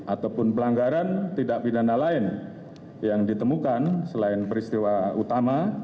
ataupun pelanggaran tidak pidana lain yang ditemukan selain peristiwa utama